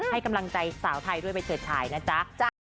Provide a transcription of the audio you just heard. ให้กำลังใจสาวไทยด้วยไปเฉิดฉายนะจ๊ะ